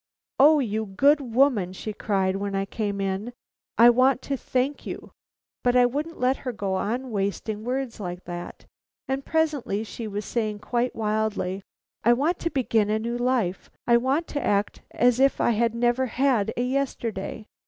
"'O you good woman!' she cried as I came in. 'I want to thank you.' But I wouldn't let her go on wasting words like that, and presently she was saying quite wildly: 'I want to begin a new life. I want to act as if I had never had a yesterday.